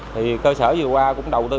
thì cơ sở vừa qua cũng đầu tư